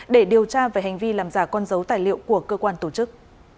để điều tra về hành vi làm giả con dấu tài liệu của cơ quan tổ chức